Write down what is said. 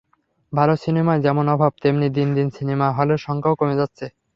ভালো সিনেমার যেমন অভাব, তেমনি দিন দিন সিনেমা হলের সংখ্যাও কমে যাচ্ছে।